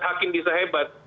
hakim bisa hebat